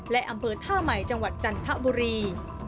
และอำเภอท่าใหม่จังหวัดจันทบุรี